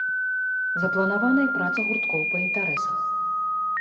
Запланавана і праца гурткоў па інтарэсах.